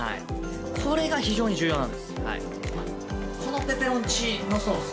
これが非常に重要なんです。